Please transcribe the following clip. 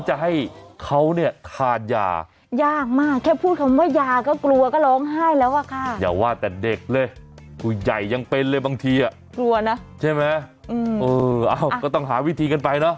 ใช่ไหมเออก็ต้องหาวิธีกันไปเนอะ